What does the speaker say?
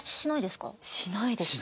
しないですよ。